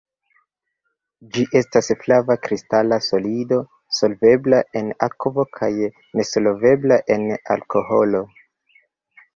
Ĝi estas flava kristala solido, solvebla en akvo kaj nesolvebla en alkoholo.